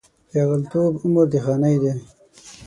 پېغلتوب عمر د خانۍ دی